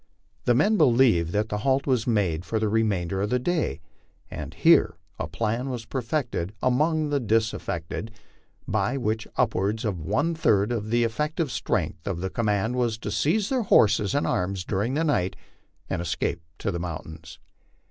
The men believed that the halt was made for the remainder of the day, and here a plan was perfected among the disaffected by which upwards of one third of the ef fective strength of the command was to seize their horses and arms during the night and escape to the mountains.